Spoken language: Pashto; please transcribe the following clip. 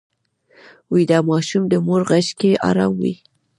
ویده ماشوم د مور غېږ کې ارام وي